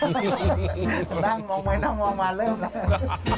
นั่งมอบมาเริ่มแล้ว